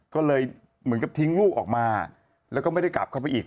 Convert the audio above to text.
ก็เลยเหมือนกับทิ้งลูกออกมาแล้วก็ไม่ได้กลับเข้าไปอีก